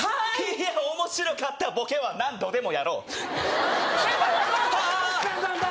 いや面白かったボケは何度でもやろう先輩危ない！